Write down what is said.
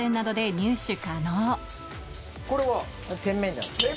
これは？